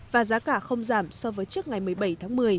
và giá cả không giảm so với trước ngày một mươi bảy tháng một mươi